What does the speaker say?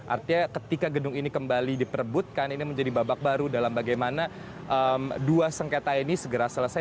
artinya ketika gedung ini kembali diperbutkan ini menjadi babak baru dalam bagaimana dua sengketa ini segera selesai